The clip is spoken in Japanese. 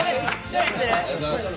ありがとうございます。